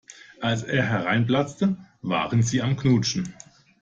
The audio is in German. Als er hereinplatzte, waren sie am Knutschen.